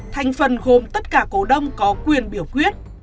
thành phần gồm tất cả cổ đông có quyền biểu quyết